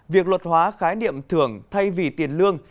việc luật hóa khái niệm thưởng thay vì tiền lương